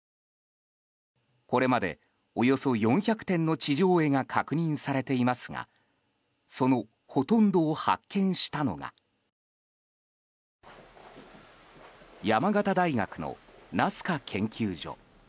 これまで、およそ４００点の地上絵が確認されていますがそのほとんどを発見したのが山形大学のナスカ研究所。